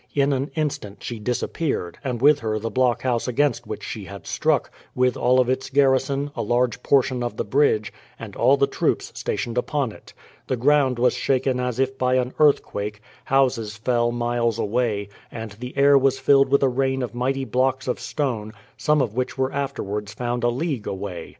In an instant she disappeared, and with her the blockhouse against which she had struck, with all of its garrison, a large portion of the bridge, and all the troops stationed upon it. The ground was shaken as if by an earthquake, houses fell miles away, and the air was filled with a rain of mighty blocks of stone, some of which were afterwards found a league away.